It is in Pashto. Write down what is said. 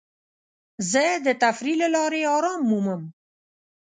زه د تفریح له لارې ارام مومم.